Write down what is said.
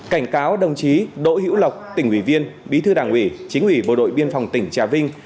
cảnh cáo đồng chí đỗ hữu lộc tỉnh ủy viên bí thư đảng ủy chính ủy bộ đội biên phòng tỉnh trà vinh